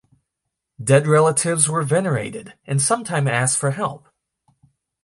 Dead relatives were venerated and sometimes asked for help.